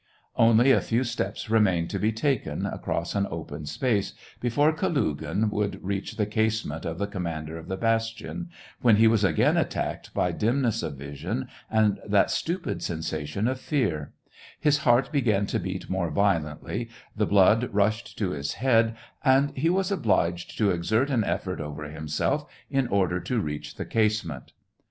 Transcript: Only a few steps remained to be taken, across an open space, before Kalugin would reach the casemate of the commander of the bastion, when he was again attacked by dimness of vision and that stupid sensation of fear ; his heart began to beat more violently, the blood rushed to his head, and he was obliged to exert an effort over himself in order to reach the casemate.